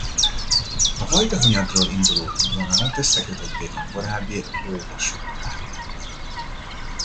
A Vajdahunyadról induló vonalat összekötötték a korábbi lóvasút pályájával.